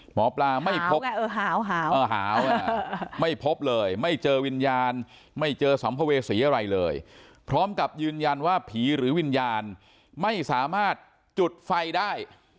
หมอปลาไม่พบหาวไม่พบเลยไม่เจอวิญญาณไม่เจอสัมภเวษีอะไรเลยพร้อมกับยืนยันว่าผีหรือวิญญาณไม่สามารถจุดไฟได้